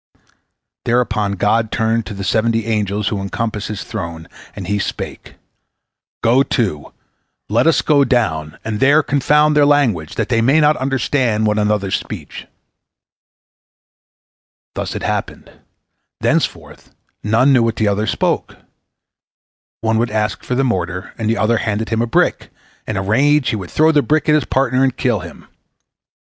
Thereupon God turned to the seventy angels who encompass His throne, and He spake: "Go to, let us go down, and there confound their language, that they may not understand one another's speech." Thus it happened. Thenceforth none knew what the other spoke. One would ask for the mortar, and the other handed him a brick; in a rage, he would throw the brick at his partner and kill him.